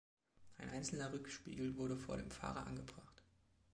Ein einzelner Rückspiegel wurde vor dem Fahrer angebracht.